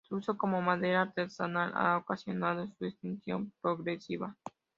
Su uso como madera artesanal ha ocasionado su extinción progresiva.